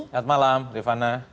selamat malam rivana